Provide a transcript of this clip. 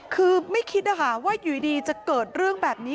คือไม่คิดนะคะว่าอยู่ดีจะเกิดเรื่องแบบนี้